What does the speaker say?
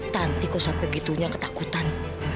nanti kok sampai gitu saja ketakutan